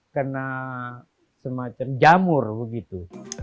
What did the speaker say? kena semacam jamur begitu